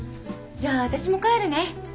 じゃあ私も帰るね。